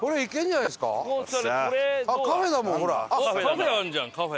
カフェあるじゃんカフェ。